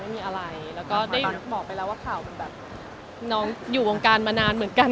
ไม่มีอะไรแล้วก็ได้บอกไปแล้วว่าข่าวมันแบบน้องอยู่วงการมานานเหมือนกัน